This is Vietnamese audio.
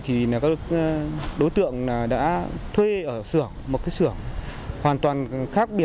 thì các đối tượng đã thuê ở sửa một cái sửa hoàn toàn khác